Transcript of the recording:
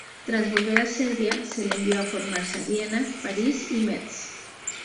Tras volver a Serbia, se le envió a formarse a Viena, París y Metz.